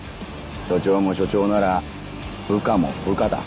署長も署長なら部下も部下だ。